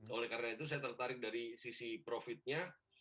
oleh karena itu saya tertarik dari sisi profitnya